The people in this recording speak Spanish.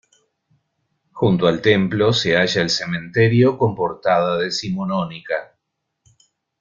Junto al templo se halla el cementerio con portada decimonónica.